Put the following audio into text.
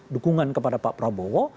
dukungan kepada pak prabowo